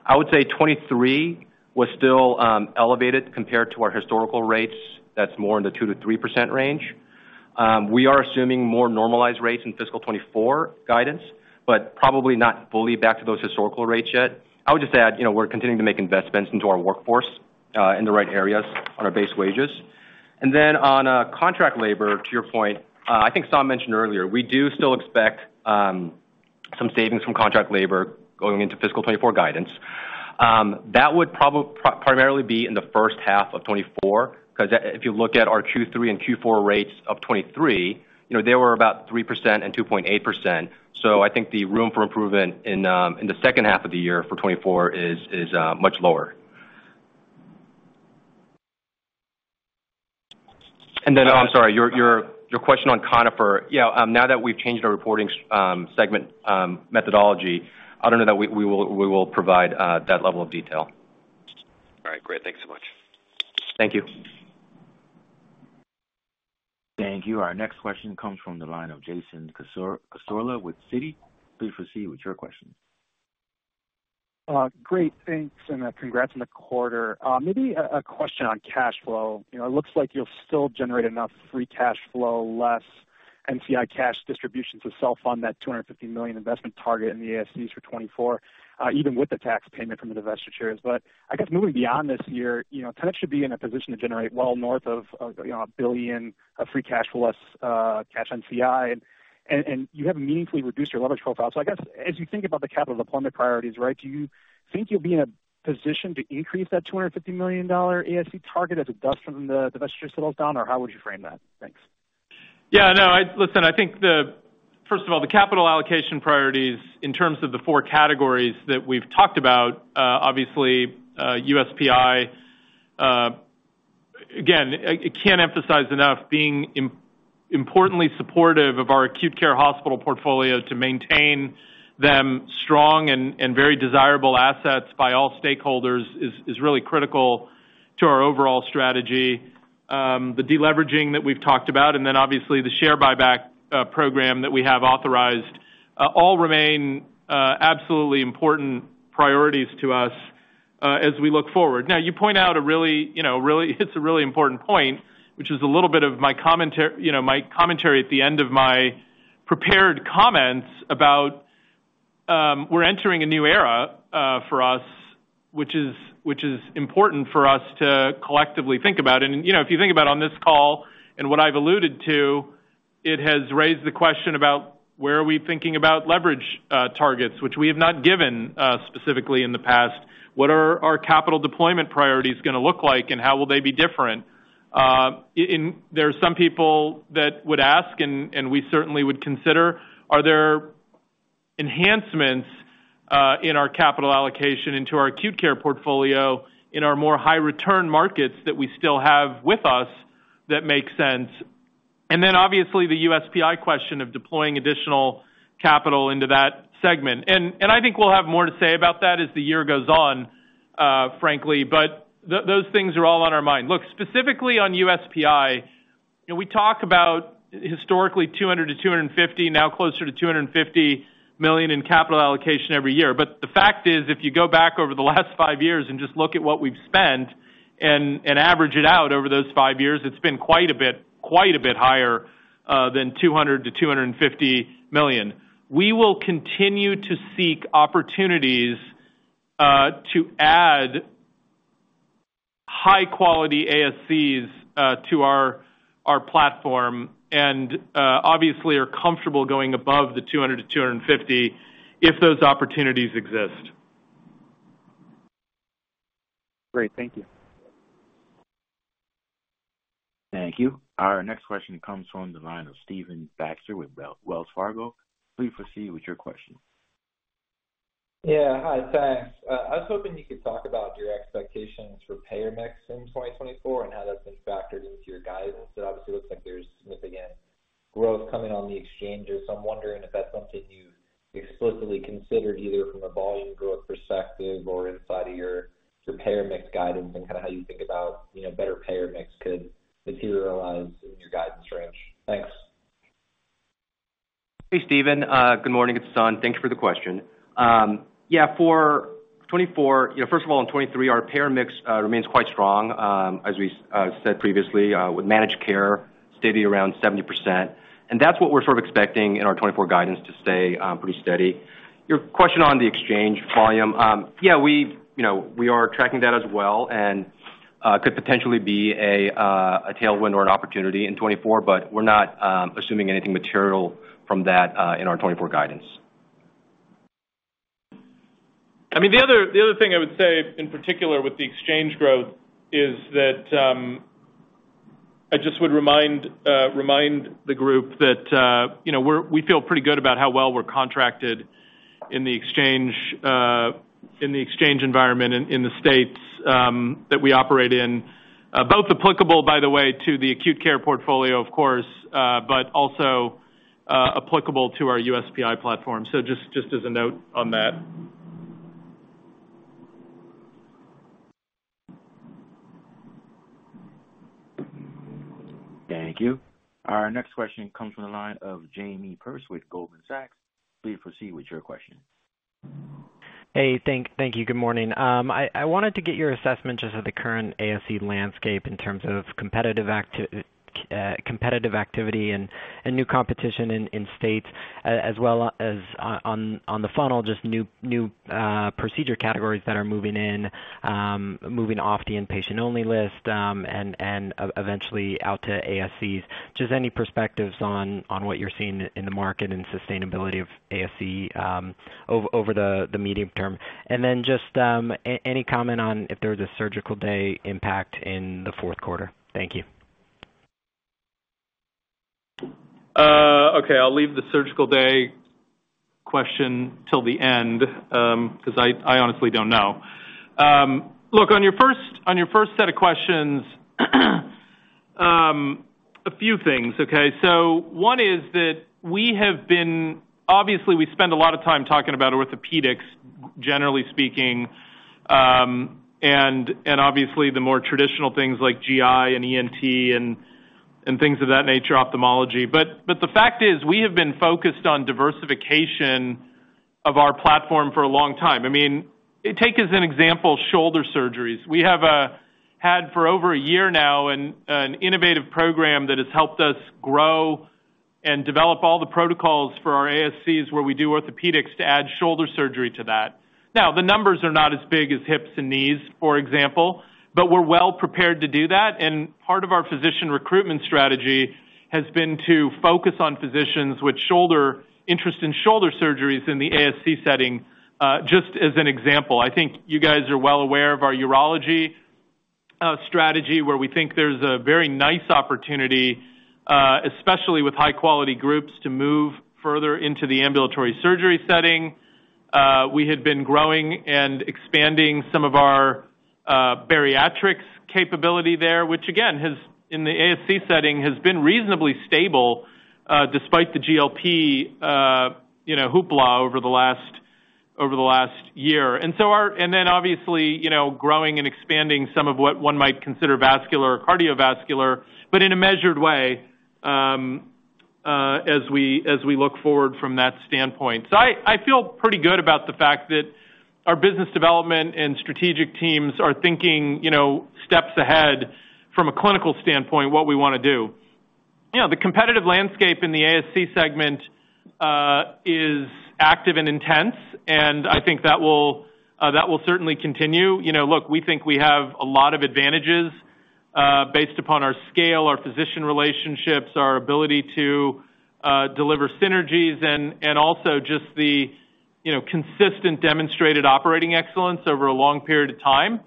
I would say 2023 was still elevated compared to our historical rates. That's more in the 2%-3% range. We are assuming more normalized rates in fiscal 2024 guidance, but probably not fully back to those historical rates yet. I would just add we're continuing to make investments into our workforce in the right areas on our base wages. And then on contract labor, to your point, I think Saum mentioned earlier, we do still expect some savings from contract labor going into fiscal 2024 guidance. That would primarily be in the first half of 2024 because if you look at our Q3 and Q4 rates of 2023, they were about 3% and 2.8%. So I think the room for improvement in the second half of the year for 2024 is much lower. And then oh, I'm sorry. Your question on Conifer, yeah, now that we've changed our reporting segment methodology, I don't know that we will provide that level of detail. All right. Great. Thanks so much. Thank you. Thank you. Our next question comes from the line of Jason Cassorla with Citi. Please proceed with your question. Great. Thanks. And congrats on the quarter. Maybe a question on cash flow. It looks like you'll still generate enough free cash flow, less NCI cash distribution to self-fund that $250 million investment target in the ASCs for 2024, even with the tax payment from the divestitures. But I guess moving beyond this year, Tenet should be in a position to generate well north of $1 billion of free cash flow, less cash NCI. And you have meaningfully reduced your leverage profile. So I guess as you think about the capital deployment priorities, right, do you think you'll be in a position to increase that $250 million ASC target as the dust from the divestiture settles down? Or how would you frame that? Thanks. Yeah. No. Listen, I think, first of all, the capital allocation priorities in terms of the four categories that we've talked about, obviously, USPI, again, I can't emphasize enough, being importantly supportive of our acute care hospital portfolio to maintain them strong and very desirable assets by all stakeholders is really critical to our overall strategy. The deleveraging that we've talked about, and then obviously, the share buyback program that we have authorized, all remain absolutely important priorities to us as we look forward. Now, you point out a really, it's a really important point, which is a little bit of my commentary at the end of my prepared comments about we're entering a new era for us, which is important for us to collectively think about. If you think about on this call and what I've alluded to, it has raised the question about where are we thinking about leverage targets, which we have not given specifically in the past. What are our capital deployment priorities going to look like, and how will they be different? There are some people that would ask, and we certainly would consider, are there enhancements in our capital allocation into our acute care portfolio in our more high-return markets that we still have with us that make sense? And then obviously, the USPI question of deploying additional capital into that segment. And I think we'll have more to say about that as the year goes on, frankly. But those things are all on our mind. Look, specifically on USPI, we talk about historically $200 million-$250 million, now closer to $250 million in capital allocation every year. The fact is, if you go back over the last five years and just look at what we've spent and average it out over those five years, it's been quite a bit higher than $200 million-$250 million. We will continue to seek opportunities to add high-quality ASCs to our platform and obviously are comfortable going above the $200 million-$250 million if those opportunities exist. Great. Thank you. Thank you. Our next question comes from the line of Stephen Baxter with Wells Fargo. Please proceed with your question. Yeah. Hi. Thanks. I was hoping you could talk about your expectations for payer mix in 2024 and how that's been factored into your guidance. It obviously looks like there's significant growth coming on the exchanges. So I'm wondering if that's something you've explicitly considered either from a volume growth perspective or inside of your payer mix guidance and kind of how you think about better payer mix could materialize in your guidance range. Thanks. Hey, Stephen. Good morning. It's Sun. Thanks for the question. Yeah. For 2024, first of all, in 2023, our payer mix remains quite strong, as we said previously, with managed care steady around 70%. And that's what we're sort of expecting in our 2024 guidance to stay pretty steady. Your question on the exchange volume, yeah, we are tracking that as well and could potentially be a tailwind or an opportunity in 2024. But we're not assuming anything material from that in our 2024 guidance. I mean, the other thing I would say in particular with the exchange growth is that I just would remind the group that we feel pretty good about how well we're contracted in the exchange environment in the states that we operate in, both applicable, by the way, to the acute care portfolio, of course, but also applicable to our USPI platform. So just as a note on that. Thank you. Our next question comes from the line of Jamie Perse with Goldman Sachs. Please proceed with your question. Hey. Thank you. Good morning. I wanted to get your assessment just of the current ASC landscape in terms of competitive activity and new competition in states, as well as on the funnel, just new procedure categories that are moving in, moving off the inpatient-only list, and eventually out to ASCs. Just any perspectives on what you're seeing in the market and sustainability of ASC over the medium term, and then just any comment on if there was a surgical day impact in the fourth quarter. Thank you. Okay. I'll leave the surgical day question till the end because I honestly don't know. Look, on your first set of questions, a few things, okay? So one is that we have been obviously, we spend a lot of time talking about orthopedics, generally speaking, and obviously, the more traditional things like GI and ENT and things of that nature, ophthalmology. But the fact is, we have been focused on diversification of our platform for a long time. I mean, take as an example shoulder surgeries. We have had for over a year now an innovative program that has helped us grow and develop all the protocols for our ASCs where we do orthopedics to add shoulder surgery to that. Now, the numbers are not as big as hips and knees, for example, but we're well prepared to do that. Part of our physician recruitment strategy has been to focus on physicians with interest in shoulder surgeries in the ASC setting, just as an example. I think you guys are well aware of our urology strategy where we think there's a very nice opportunity, especially with high-quality groups, to move further into the ambulatory surgery setting. We had been growing and expanding some of our bariatrics capability there, which, again, in the ASC setting, has been reasonably stable despite the GLP hoopla over the last year. And then obviously, growing and expanding some of what one might consider vascular or cardiovascular, but in a measured way as we look forward from that standpoint. So I feel pretty good about the fact that our business development and strategic teams are thinking steps ahead from a clinical standpoint, what we want to do. The competitive landscape in the ASC segment is active and intense, and I think that will certainly continue. Look, we think we have a lot of advantages based upon our scale, our physician relationships, our ability to deliver synergies, and also just the consistent demonstrated operating excellence over a long period of time.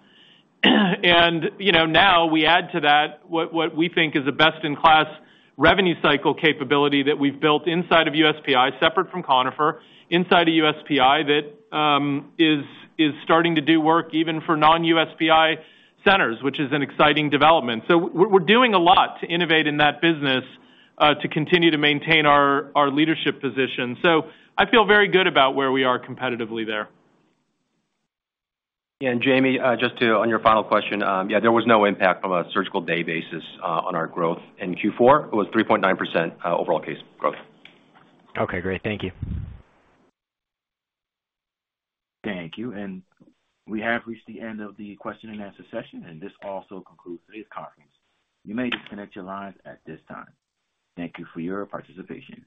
And now we add to that what we think is a best-in-class revenue cycle capability that we've built inside of USPI, separate from Conifer, inside of USPI that is starting to do work even for non-USPI centers, which is an exciting development. So we're doing a lot to innovate in that business to continue to maintain our leadership position. So I feel very good about where we are competitively there. Yeah. Jamie, just on your final question, yeah, there was no impact from a surgical day basis on our growth in Q4. It was 3.9% overall case growth. Okay. Great. Thank you. Thank you. We have reached the end of the question-and-answer session, and this also concludes today's conference. You may disconnect your lines at this time. Thank you for your participation.